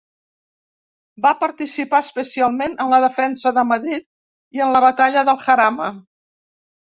Va participar especialment en la defensa de Madrid i en la batalla del Jarama.